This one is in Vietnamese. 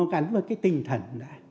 nó gắn với cái tinh thần đã